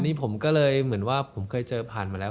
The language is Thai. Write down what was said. นี่ผมก็เลยเหมือนว่าผมเคยเจอผ่านมาแล้ว